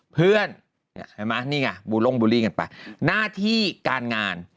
เพื่อนดูล่มบูลล่ี่กันไปหน้าที่การงาน